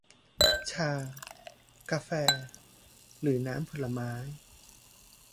ชา กาแฟ หรือน้ำผลไม้